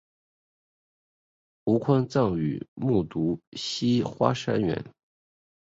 吴宽葬于木渎西花园山。